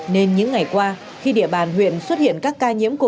nên những ngày qua khi địa bàn huyện xuất hiện các ca nhiễm covid một mươi chín